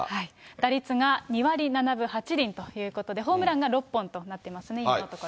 打率が２割７分８厘ということで、ホームランが６本となってますね、今のところ。